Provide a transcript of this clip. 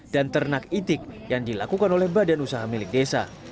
dan ternak itik yang dilakukan oleh badan usaha milik desa